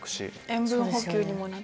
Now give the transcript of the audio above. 塩分補給にもなって。